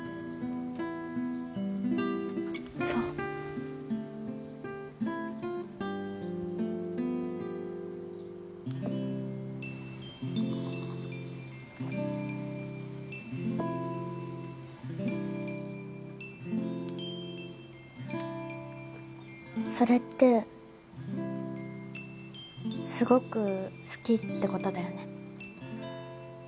そうそれってすごく好きってことだよね